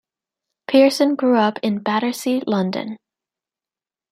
Pearson grew up in Battersea, London.